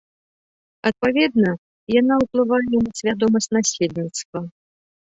Адпаведна, яна ўплывае і на свядомасць насельніцтва.